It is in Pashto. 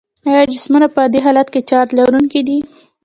آیا جسمونه په عادي حالت کې چارج لرونکي دي؟